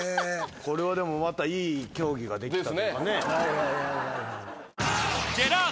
これはでもまたいい競技ができたというかね。